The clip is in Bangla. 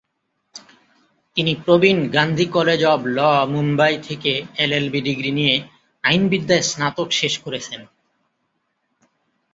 তিনি Pravin Gandhi College of Law Mumbai থেকে এলএলবি ডিগ্রি নিয়ে আইনবিদ্যায় স্নাতক শেষ করেছেন।